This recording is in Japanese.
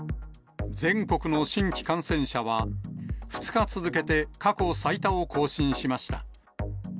全国の新規感染者は、２日続けて過去最多を更新しました。